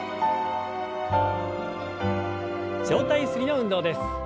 上体ゆすりの運動です。